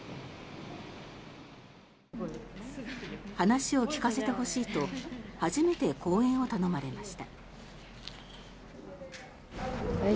話を聞かせてほしいと初めて講演を頼まれました。